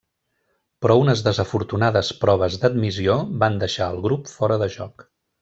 Però unes desafortunades proves d'admissió van deixar al grup fora de joc.